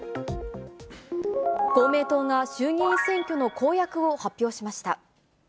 公明党が衆議院選挙の公約を発表しました。